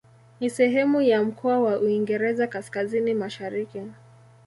Ni sehemu ya mkoa wa Uingereza Kaskazini-Mashariki.